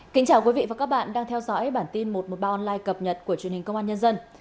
kính chào quý vị và các bạn đang theo dõi bản tin một trăm một mươi ba online cập nhật của truyền hình công an nhân dân